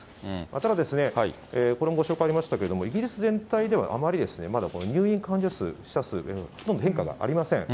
ただ、これもご紹介ありましたけど、イギリス全体ではあまり、まだ入院患者数、死者数の変化がありません。